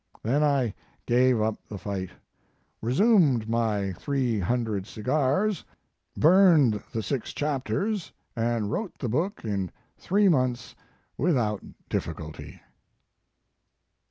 Then I gave up the fight, resumed my three hundred cigars, burned the six chapters, and wrote the book in three months without difficulty."